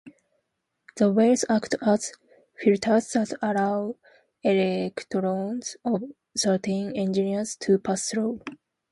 The wells act as filters that allow electrons of certain energies to pass through.